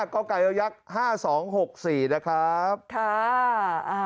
๕กย๕๒๖๔นะครับค่ะอ่า